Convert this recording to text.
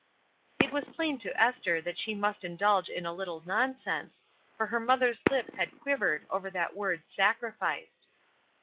It was plain to Esther that she must indulge I in a little nonsense, for her mother's lip had | quivered over that word '^sacrificed."